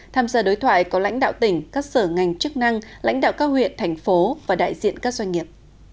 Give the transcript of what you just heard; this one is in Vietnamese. tham gia đối thoại có lãnh đạo tỉnh các sở ngành chức năng lãnh đạo các huyện thành phố và đại diện các doanh nghiệp